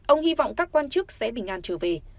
ông hy vọng các quan chức sẽ bình an trở về